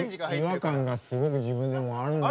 違和感がすごく自分でもあるのよ。